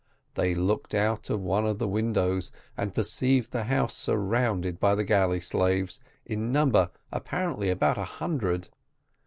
They looked out of one of the windows and perceived the house surrounded by the galley slaves, in number, apparently, about a hundred.